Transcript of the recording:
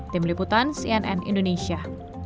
tim liputan cnn indonesia